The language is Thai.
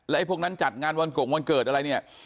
ไอ้พวกนั้นจัดงานวันกงวันเกิดอะไรเนี่ย